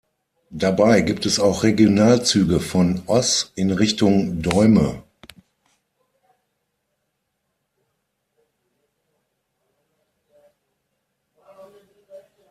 Dabei gibt es auch Regionalzüge von Oss in Richtung Deurne.